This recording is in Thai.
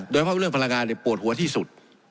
โดยเฉพาะเรื่องพละงานปวดหัวที่สุด